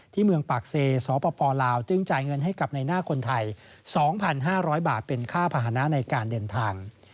เมืองปากเซสปลาวจึงจ่ายเงินให้กับในหน้าคนไทย๒๕๐๐บาทเป็นค่าภาษณะในการเดินทาง